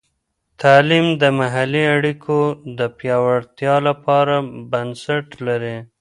تعلیم د محلي اړیکو د پیاوړتیا لپاره بنسټ لري.